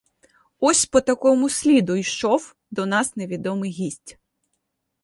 Ось по такому сліду йшов до нас невідомий гість.